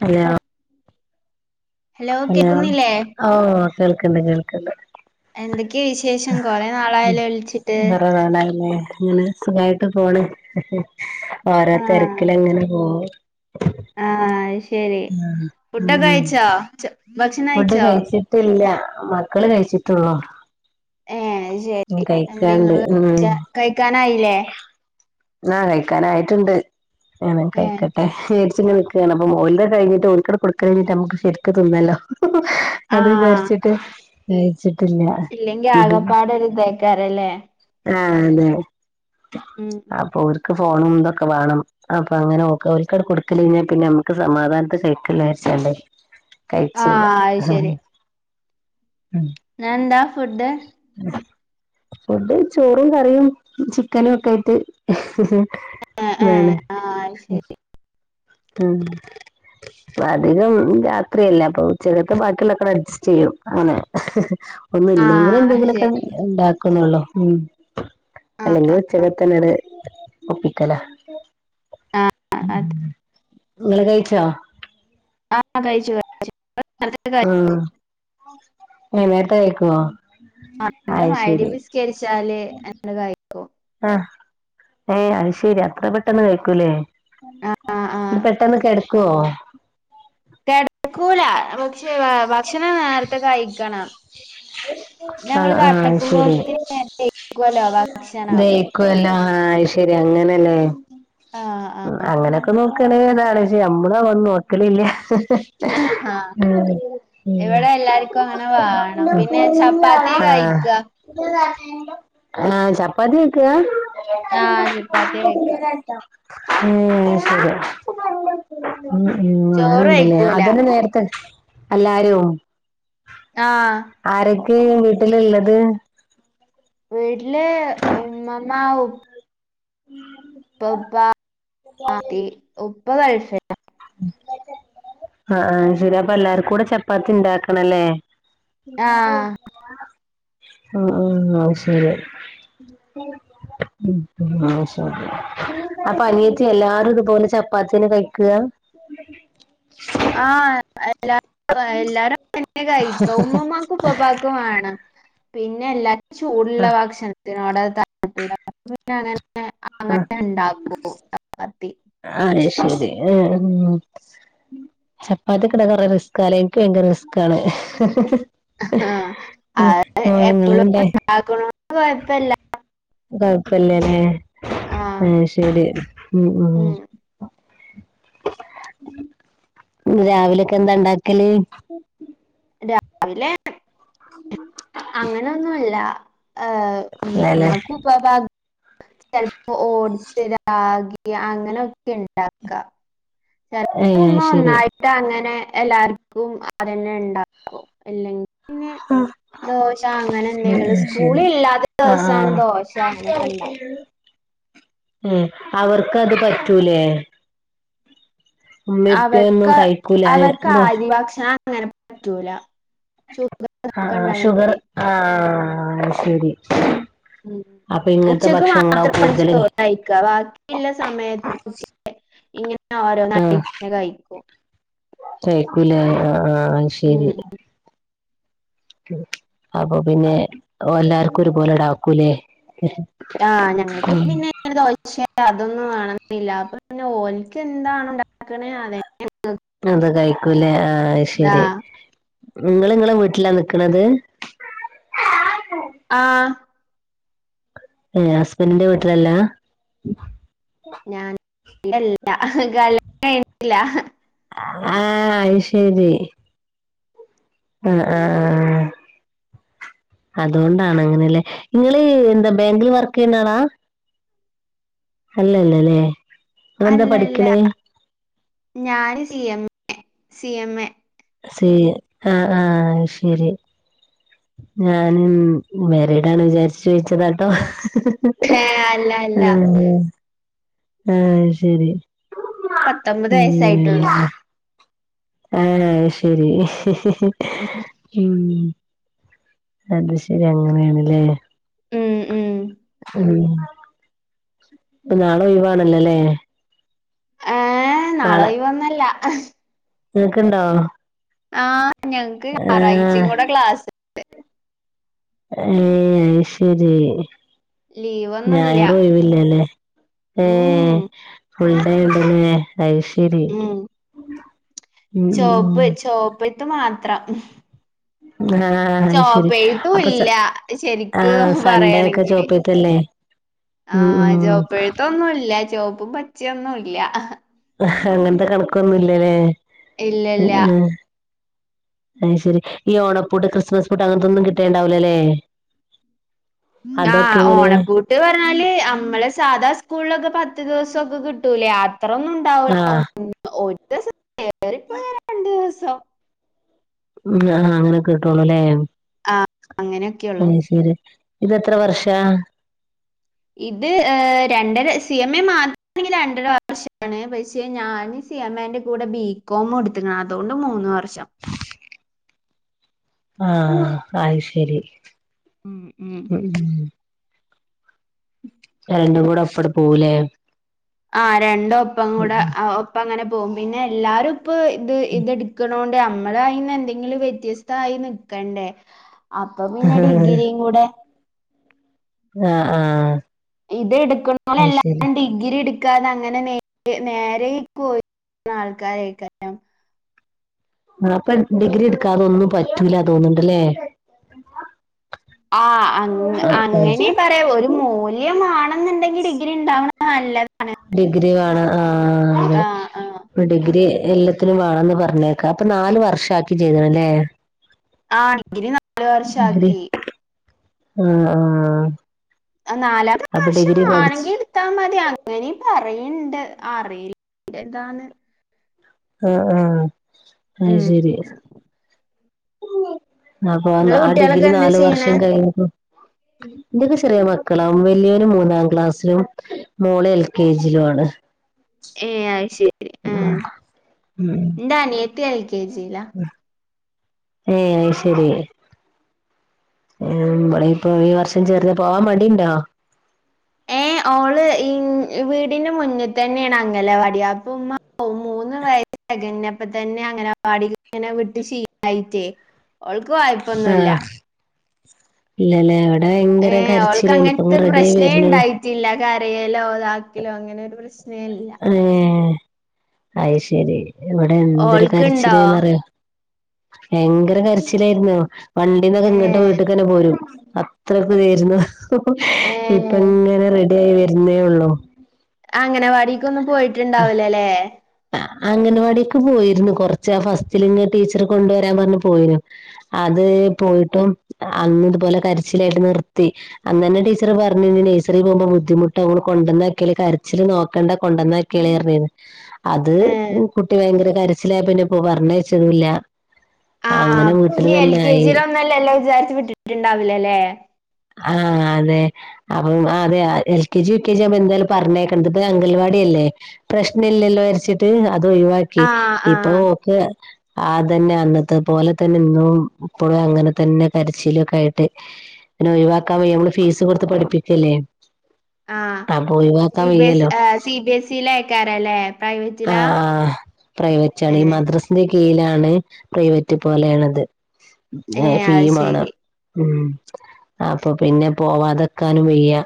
Hello hello ഓ കേൾക്ക്ണ്ട് കേൾക്ക്ണ്ട് എന്തെക്കെയ വിശേ ആഹ് വറെ വേണല്ലേ ഇങ്ങനെ സുഖായിട്ട് പോണ് ഓരോ ആഹ് തിരക്കില്ങ്ങനെ പോവും. ആഹ് അഹ്ശരി ഉം ഫുഡൊക്കെ ഉം കഴിച്ചോ ച്ച ഫുഡ് കഴിച്ചിട്ടില്ല മക്കള് കഴിച്ചിട്ടുള്ളൂ. ഏഹ് ഉം കഴിക്കാണ്ട് ഉം കഴിക്കാനായിലേ ആഹ് കഴിക്കാനായിട്ടുണ്ട് ഞാം വേം ഏഹ് കഴിക്കട്ടെ. ചേടിച്ച്ങ്ങനെ നിക്കാണ് അപ്പം ഓലത് കഴിഞ്ഞിട്ട്ഓല്ക്ക് കൊടുക്കലയിഞ്ഞിട്ട് ഞമ്മക്ക് ശെരിക്ക് തിന്നല്ലോ അത് ആഹ് വിചാരിച്ചിട്ട് കയിച്ചിട്ടില്ല ഇല്ലെങ്കി ആകെപ്പാടെ ഒരു ഇതേക്കാരല്ലേ ആഹ് അതെ ഉം ഉം അപ്പൊ ഓൽക്ക് ഫോണും തൊക്കെ വേണം അപ്പൊ അങ്ങനെ ഓക് ഒൽക്കങ്ങട് കൊടുക്കല് കഴിഞ്ഞാ പിന്നെ നമക്ക് സമാധാനതില് കഴിക്കജാരിച്ചാണ്ട് കഴിച്ചല്ല ആഹ് അത് [unintelligible] ന്ന ന്താ ഫുഡ് ഫൂഡ് ചോറും കറിയും ചിക്കനും ഒക്കെ ആയിട്ട് ഏഹ് ഏഹ് [unintelligible] ആഹ് അഹ്ശരി ഉം അധികം രാത്രിയല്ലേ അപ്പൊ ഉച്ചകത്തെ ബാക്കിയുള്ളക്കെ അഡ്ജസ്റ്റ് ചെയ്യും അങ്ങനെ ഒന്നല്ലെങ്കിലെ ആഹ് എന്തെങ്കിലൊക്കെ ശരി ഉണ്ടാക്കുനൊള്ളു ഹമ് ആഹ് അല്ലെങ്കിൽ ആഹ് ഉച്ചകത്തന്നേ ഒപ്പിക്കല ആഹ് അത് ങ്ങള് കഴിച്ചോ? ആഹ് കഴിച്ചു കഴിച്ച് ഉം നേരത്തെ കഴിക്കുവോ അയ്ശരി കരിച്ചാല് ആണ്ട് കഴിക്കും ആഹ് ഏയ് അയ്ശരി അത്ര പെട്ടെന്ന് കഴിക്കൂലേ? ആഹ് ആഹ് പെട്ടന്ന് കെടക്കുവോ കെടക്കൂല പക്ഷേ ഭക്ഷണം നേരത്തെ കഴിക്കണം ഞമ്മൾ ആഹ് ആഹ് അത് ശരി കടക്കുമ്പോതിന് ദഹിക്കൊല്ലോ ഭക്ഷണം ക്കല്ല ആഹ് ശരി അങ്ങനെല്ലേ ആഹ് ആഹ് അങ്ങനെയൊക്കെ നോ ക്കണേതാണ് പക്ഷെ നമ്മളതോന്നും നോക്കലില്ല. ആഹ ഇവിടെ എല്ലാർക്കും അങ്ങനെ വാണ ണം പിന്നെ ഉം ചപ്പാത്തിയ ആഹ് കഴിക്ക ആഹ് ചപ്പാത്തിയ കഴിക? ആഹ് ചപ്പാത്തി കഴിക്ക ഏഹ് ശരി ഉം ഉം ചോറ് അങ്ങനെണ്ടല്ലേ കഴിക്കൂല അതന്നെ നേരത്തെ എല്ലാരും. ആഹ് ആരൊക്കെ വീട്ടിലുള്ളത് വീട്ടില് ഉമ്മമ്മ ഉപ്പ ഉപ്പപ്പ ഉപ്പ ഗൾഫില ആഹ് ശരി അപ്പൊ എല്ലാർക്കുടെ ചപ്പാത്തി ഉണ്ടാക്കണല്ലേ ആഹ് ആഹ് ആഹ് ആഹ്ശേരി [inaudible] ഉം മാഷാഅല്ലാഹ്‌ അപ്പൊ അനിയത്തി എല്ലാരും ഇതുപോലെ ചപ്പാത്തിയന്നെ കഴിക്ക [unintelligible] ആഹ് ല്ല എല്ലാരും അതന്നെ കഴിക്ക ഉമ്മമാക്ക് പപ്പാക്ക് വേണം പിന്നെ എല്ലാർക്കും ചൂടുള്ള ആഹ് ഭക്ഷണത്തിനോട താൽ ന്നെ അങ്ങനെ ആഹ് അങ്ങനെ ഉണ്ടാക്കും ചെപ്പത്തി അത് ശരി ആഹ് ചപ്പാത്തി കിണ്ടാക്കാൻ കൊറെ റിസകല്ലേ എനിക്ക് ഭയങ്കര റിസ്കണ് ഹ് ആഹ് ങ്ങള് ണ്ടേ ആക്ണാണ്ട് കൊഴപ്പല്ല കഴപ്പല്ലല്ലേ ആഹ് ശരി ഉം ഉം രാവിലൊക്കന്താ ണ്ടാക്കല് ലേ [unintelligible] അങ്ങനെന്നുല്ല അതെല്ലേ ഉമ്മമ്മക്കും ഉ പ്പാപ്പ ചലേപ്പോ ഓഡ്സ് രാഗി അങ്ങനെക്കെ ഉണ്ടാക്കാ ഏഹ് അയ്ശരി ഇത അങ്ങനെ എല്ലാർക്കും അതന്നെണ്ടാക്കും അല്ലെങ്ങിപിന്നെ ദോശ അങ്ങനെ ഉം എന്തെങ്കിലും ഉം സ്കൂള ശരി ഇല്ലാത്ത ആഹ് ദിവസാണ് ആഹ് ദോശ അങ്ങനെയൊക്കെ ഇണ്ടാവ [inaudible] അവർക്ക്ത് പറ്റൂലേ ഉമ്മ ഉപ്പയൊന്നും അവർക്ക് അവർക്ക് കഴിക്കൂല അരി ഭക്ഷണം അങ്ങനെ പറ്റൂല ഷുഗർ ആഹ് ഒക്കെ ആഹ് ഷുഗർ ഇണ്ടായോണ്ടേ ആഹ ശരി ഉ അപ്പൊ ഇങ്ങനത്തെ ഉച്ചക്ക് ഭക്ഷണങ്ങളാ മാത്രം ഇവടെ കൂടുതല് ചോറയ്ക്ക ബാക്ക ള്ള സമയത്തൊക്കെ ഇങ്ങനെ ഓരോ ന കഴിക്കും [inaudible] കൈക്കൂല ആഹ് ആഹ് ശെരി ഉം അപ്പൊ പിന്നെ എല്ലാർക്കും ഒരുപോലെ ഡാക്കൂലേ ആഹ് ഞങ്ങൾക്ക് പിന്നെ ദോശ അതൊന്നും മാണെന്നില്ല അപ്പൊ പിന്നെ ഓലക്ക് എന്താണ് ഉണ്ടാക്കണേ അതെ അത് കഴിക്കൂലേ ആഹ് ശരി ആഹ് നിങ്ങൾ ങ്ങളെ വീട്ടിലാ നിക്കണത് ആഹ് ഏയ് ഹസ്ബൻഡിന്റെ വീട്ടിലല്ലാ ഞാൻ [unintelligible] ആഹ് അയ് ശരി ആഹ് ആഹ് ആഹ് അതുകൊണ്ടാണ് അങ്ങനെയല്ലേ നിങ്ങള് എന്താ ബാങ്കല് വർക്ക് ചെയ്യുന്ന ആളാ അല്ലല്ലല്ലേ നിങ്ങളെന്താ അല്ലല്ല പഠിക്കണേ ഞാന് C M A C M A ശരി ആഹ് ആഹ് അയ്ശരി ഞാനും മേരീടാണ് വിചാരിച്ചു ചോദിച്ചതട്ടോ ഏഹ് അല്ല അല്ല ഉം ആഹ് ശരി [inaudible] പത്തൊമ്പത് വയസ്സായിട്ടുള്ളൂ ആഹ് അയ്ശരി ഉം ഉം അത് ശരി അങ്ങനെയണല്ലേ ഉം ഉം ഉം ഇപ്പൊ നാളെ ഒയിവാണല്ലോല്ലേ ഏഹ് നാള ഒയിവൊന്നല്ല നിങ്ങക്ണ്ടോ ആഹ് ഞങ്ങക്ക് ഞറാഴ്ച കൂടെ ക്ലാസ് ഏഹ് അയ് ശരി ലീവൊന്നുല്ല ഞായറ് ഒയിവില്ലല്ലേ ഏഹ് ഉം ഫുൾ ഡെ ഉണ്ട് ലെ അയ് ശരി ഉം ഉം ഉം ചോപ്പ് ചോപ്പത്ത് മാത്രം ആഹ് അഹ് ശരി ചോപ്പെഴുത്തും അപ്പൊ ഇല്ല ആ ശരിക്ക് സൺഡേ ഒക്കെ പറയാണെങ്കില് ചോപ്പ്ത്തെല്ലേ ആഹ് ചുവപ്പത്തൊന്നുല്ല ചുവപ്പും പച്ചിയൊന്നുല്ല അങ്ങനത്തെ കണക്കൊന്നുംല്ലല്ലേ ഉം ഇല്ലല്ല ഉം അഹ് ശരി ഈ ഓണപൂട്ട് ക്രിസ്മസ് പൂട്ട് അങ്ങനത്തെന്നും കിട്ടേണ്ടാവില്ല ല്ലേ ആഹ് ഇങ്ങനെ ഓണ പൂ ട്ട് പറഞ്ഞാല് നമ്മളെ സാധാ സ്കൂളിലൊക്കെ പത്ത് ദിവസൊ ക്കെ കിട്ടൂല അത്രന്നും ആഹ് [unintelligible] [unintelligible] ഉം ആഹ് അങ്ങനെക്കെട്ടുള്ളൂ ല്ലേ ആഹ് അങ്ങനെ അയ് ശരി ഇതെ ത്ര വർഷ ഇത് രണ്ടര സി എം എ മാത്രമാണെങ്കിൽ രണ്ടര വർഷാണ് പക്ഷെ ഞാൻ സിമേന്റെ കൂടെ ബീകോം എടുത്തിക്കണം അതുകൊണ്ട് മൂന്ന് വർഷം ആഹ് അഹ് ശരി ഉം രണ്ട കൂടെ അപ്പടെ പോവു ലെ ആഹ് രണ്ട ഒപ്പം കൂടെ ഒപ്പ അങ്ങനെ പോകും പിന്നെ എല്ലാരും ഇപ്പ ഇത് ഇത് എടുക്കണണ്ട് നമ്മള് അയിന് എന്തെങ്കിലും വ്യത്യസ്ത ആയി നിക്കണ്ടേ അപ്പൊ പിന്നെ ആഹ് ഡിഗ്രിയും കൂടെ ആഹ് ആഹ് ഇത് എടുക്ക് ണോൽ അത് ശരി എല്ലരും ഡിഗ്രി ഡിഗ്രി എടുക്കാതെ അങ്ങനെ നേ നേരെയി ആൾക്കാരെക്കാം ആഹ് അപ്പൊ ഡിഗ്രി എടുക്കാതൊന്നും പറ്റൂല തോന്നണ്ടല്ലേ ആഹ് അങ്ങനെ ആഹ് പറയാ ഒരു മൂല് ല്യം മാണം എന്നുണ്ടെങ്കിൽ ഡിഗ്രി ഉണ്ടാവണ നല്ലത് ഡിഗ്രി വേണം ആഹ് ആ ആ അതെ ഡിഗ്രി എല്ല ത്തി വേണംന്ന് പറഞ്ഞേക്ക അപ്പൊ നാല് വർഷം ആക്കി ചെയ്തണല്ലേ ആഹ് ഡിഗ്രി നാല് വർഷം ഡിഗ്രി ആക്കി ആഹ് ആഹ് നാലാമത്തെ അപ്പൊ വർഷ ഡിഗ്രി പഠിച്ച് ആണെങ്കിൽ ത്താ മതി അങ്ങനെ പറയണ്ട് അറിയില്ലാ [unintelligible] ആഹ് ആഹ് അഹ് ഉം ശരി അപ്പൊ ആ ഡിഗ്രി നാലു വർഷം കഴിഞ്ഞട്ട് ഉ ഇന്റാത് ചെറിയ മക്കളാ വല്ല്യരു മൂന്നാം ക്ലാസ്സിലും മോളെ എൽ കെ ജി യിലും ആണ് ഏഹ് അഹ് ശരി ഉം ഉം ഇന്റെ അനിയത്തി എൽ കെ ജിയില ഏഹ് അയ് ശരി ഇമ് ഇപ്പൊ ഈ വർഷം ചേർന്ന പോവാൻ മടിയുണ്ടോ ഏഹ് ഓള് ഈ വീടിന്റെ മുന്നിൽ തന്നെയാണ് അങ്ങലെവാടിയ അപ്പ ഉ മൂന്ന് വയസതെ കഞ്ഞപ്പ തന്നെ അങ്ങനെ വാടി ഇങ്ങനെ വിട്ട് ശീലായിട്ട് ഒൾ ക്കോ ആയി ആഹ ഇല്ലല്ലേ ഇ ഭയങ്കരം കരച്ചിലയ്നി ഇപ്പങ്ങ റെഡി ആയി വരുന്നുള്ളു ഇ ല്ല കരിയലോ താക്കലോ അങ്ങനെ ഒരു പ്രശ്നെ ല്ല ഏ അയി ശരി ഇവിടെ എന്തൊരു ഓൾക്ക്ണ്ടോ കരച്ചിലന്ന്റിയോ ഭയങ്കര കരച്ചിലായിരുന്നു വണ്ടീന്നൊക്കെ ഇങ്ങോട്ട് ഏഹ് വിട്ട അനെ പോരും അത്രൊക്കെ ഇതാ യിരുന്നു ഏഹ് ഇപ്പ ങ്ങനെ റെ യായി വരുന്നേ ഉള്ളൂ അംഗനവാടിക്ക്ന്നും പോയിട്ടുണ്ടാവലല്ലേ അംഗനവാടിൊക്കെ പോയിരുന്നു കൊറച്ചാ ഫസ്റ്റിലിങ്ങ് ടീച്ചർ കൊണ്ടുവരാൻ പറഞ്ഞഞ് പോയിരുന്നു അത് പോയിട്ടും അന്ന് ഇതുപോലെ കരിച്ചിലായിട്ട് നിർത്തി അന്ന തന്നെ ടീച്ചർ പറഞ് ണ് ഇനി നഴ്സറിൽ പോകുമ്പോ ബുദ്ധിമുട്ട് അ കൊണ്ടന്നാക്കിയല് കരച്ചില് നോക്കണ്ടകൊണ്ടന്ന കിളറഞ് അത് ഏഹ് കുട്ടി ഭയങ്കര കരച്ചിലായ പിന്നെ ഇപ്പോ പറഞ്ഞ യ ച്ചതു ല്ല ആഹ് ഇനി എൽ കെ ആയി ജിയില ഒന്നല്ല എല്ലാം വിചാരിച്ച വിട്ടിട്ടുണ്ടാവില്ലല്ലേ ആഹ അതെ അപ്പം അതെ L K G U K G ആ വ്‌ബം എന്തായാലും പറഞ്ഞേക്കണം ദ്‌ ഇപ്പ അംഗൽവാടിയല്ലേ പ്രശ്നല്ലല്ലോ രിച്ചിട്ട് അത് ഒഴിവാക്കി ആഹ് ഇപ്പൊ ആഹ് ഓക് ആതന്നെ അന്നത്തെ പോലെ തന്നെ ഇന്നും ഇപ്പോഴും അങ്ങനെ തന്നെ കരച്ചിൽ ഒക്കെ ആയിട്ട് പിന്നെ ഒഴിവാക്കാൻ വ യ്യ നമ്മള് ഫീസ് കൊടുത്ത് പഠിപ്പിക്കല്ലേ ആഹ് അ പൊ യി സി വാക്കാൻ ബി എസ് വയ്യല്ലോ ആഹ് സി ബി എസ്ഇ ലക്കറാലേ ആ ആ് പ്രൈവറ്റ് ആാണ് ഈ ഏഹ് മദ്രസ് ന്റെ കീഴിലാണ് പ്രൈവറ്റ് പോലെയണത് ഏഹ് ഫീ അത് വേണം ശരി ഉം അപ്പൊ പിന്നെ പോവാതെക്കാനും വയ്യ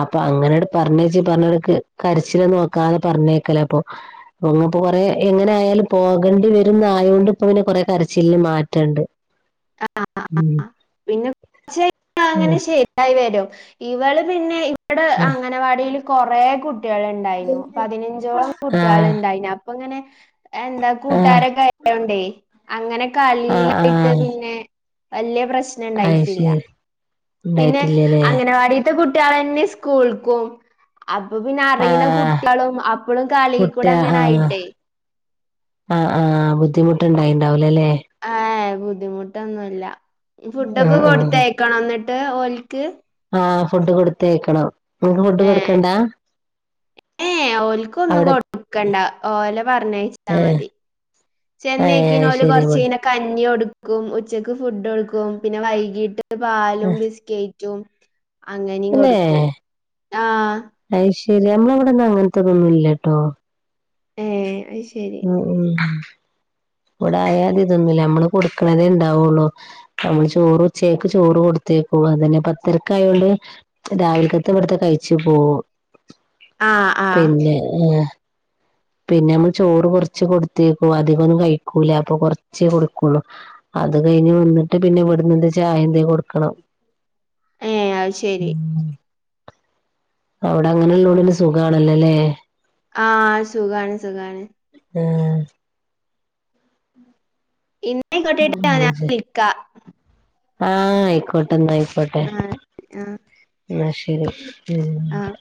അപ്പൊ അങ്ങനെട് പറഞ്ഞേച്ചി പറഞ്ഞടു ക് കരച്ചില നോക്കാതെ പറഞ്ഞേക്കലേ പ്പൊ ഒങ്ങപ്പോൊ കൊറെേ എങ്ങനെ ആയാലും പോകേണ്ടി വരുന്ന ആയൊണ്ട് ഇപ്പ ഇങ്ങനെ കൊറെേ കരച്ചിലിന് മാറ്റണ്ട് ആ ഉം പിന്നെ പ അങ്ങനെ ഉം ശരി ായി വരും ഇവള് പിന്നെ ഇവ ടെ ആഹ [unintelligible] അങ്ങനാ വാടിൽ കുറേ കുട്ടികൾ ഉണ്ടായിനു പതിനഞ്ചോളം കുട്ടികൾ ആഹ് ഉണ്ടായിന അപ്പ ഇങ്ങനെ എന്താ ആഹ് കൂട്ടാരൊകായോ ണ്ടേ അങ്ങനെ ആഹ് കളിയിലായിട്ട് ആഹ് പിന്നെ വലിയ പ്രശ്നം അയ് ഉണ്ടായിട്ടില്ല ശരി പിന്നെ ഉണ്ടായിട്ടില്ലല്ലേ അംഗനവാടിിയത്തെ കുട്ടികള ന്നെ സ്കൂൾക്കും അപ്പൊ പിന്നെ അറിയുന്ന ആഹ് കുട്ടികളും അപ്പഴും കളി കുട്ടി കൂടെ അങ്ങനെ ആയിട്ടേ ആ് ആ് ബുദ്ധിമുട്ടുണ്ടായിണ്ടാവല അല്ലെ ആഹ ബുദ്ധിമുട്ടൊന്നുല്ല ഫുഡൊക്കെ ആഹ് ആഹ് കൊടുത്തയക്കണം എന്നിട്ട് ഓലിക്ക് ആഹ് ഫുഡ് കൊടുത്തേക്കണം നിങ്ങക്ക് ഫുഡ് കൊടുക്കണ്ടാ ഓലക്ക് ഒന്നും അവിടെ കൊടുക്കണ്ട ഓല പറഞ്ഞഴച്ചാ ഏഹ് മതി ഏഹ് ചെന്നൈക്കന് അയ് ഓല് ശരി ഇവിടെ കൊറച്ചന കഞ്ഞി കൊടുക്കും ഉച്ചക്ക് ഫുഡ് കൊടുക്കും പിന്നെ വൈകീട്ട് പാലും ഏഹ് ബിസ്കറ്റ് ും അങ്ങനെയും കൊടുക്കും ആഹ് അ് ശരി നമ്മള ഇ വിടെന്ന അങ്ങനത്തെത് ന്നും ഇല്ലട്ടോ ഏ അ ശ് ഉ ഉ ഇവിടെ ആയാ തി ഇതൊന്നുല്ല നമ്മള് കൊടുക്കണതേ ഉണ്ടാവുള്ളൂ നമ്മള് ചോറ് ഉച്ചക്ക് ചോറ് കൊടുത്തേക്കും അതനെ പത്തരക്കായൊണ്ട് രാവിലക്കത്ത് ഇവിടത്തെ കഴിച്ചു പോകും ആഹ് ആഹ് പിന്നെ ഏ പിന്നെ നമ്മൾ ചോറ് കുറച്ച് കൊടുത്തേക്കുവ അധികംൊന്നും കഴിക്കൂല അപ്പൊ കുറച്ചേ കൊടുക്കുള്ളൂ അത് കഴിഞ്ഞ് വന്നിട്ട് പിന്നെവെട്ന്നെന്തേ ചായന്തേ കൊട്ക്കണം ഏഹ് അത് ശരി. ഉം ഔടെ അങ്ങനെള്ളോണ്ടി ന്നി സുഗാണല്ലൊ ലേ ആഹ് സുഖാണ് സുഖാണ് ഏഹ് ഇന്നെക്കട്ടിട്ട് ഞാൻ നിൽക്ക [inaudible] ആഹ് ഐക്കോട്ടെ ന്നാ ഐക്കോട്ടെ ആഹ് ആഹ് ന്നാ ശരി ഉം ആഹ്